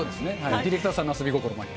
ディレクターさんの遊び心もあって。